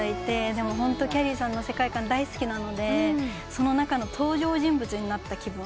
でもホントきゃりーさんの世界観大好きなのでその中の登場人物になった気分。